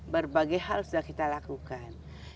berbagai hal sudah kita lakukan